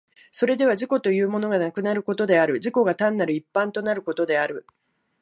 それでは自己というものがなくなることである、自己が単なる一般となることである。